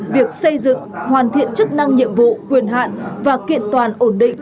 việc xây dựng hoàn thiện chức năng nhiệm vụ quyền hạn và kiện toàn ổn định